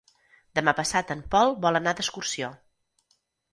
Demà passat en Pol vol anar d'excursió.